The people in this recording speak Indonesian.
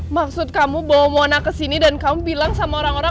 maksud kamu bawa mona kesini dan kamu bilang sama kakaknya